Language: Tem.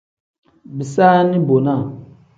Bisaani bonaa.